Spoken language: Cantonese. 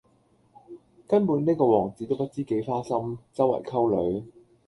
根本呢個王子都不知幾花心,周圍溝女